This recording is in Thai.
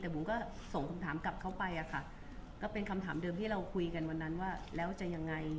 แต่บุ๋มก็ส่งคำถามกลับเข้าไปอะค่ะก็เป็นคำถามเดิมที่เราคุยกันวันนั้นว่าแล้วจะยังไง